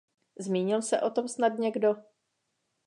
Zmínil se o tom snad někdo?